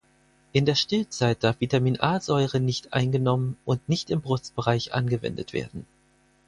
In der Stillzeit darf Vitamin-A-Säure nicht eingenommen und nicht im Brustbereich angewendet werden.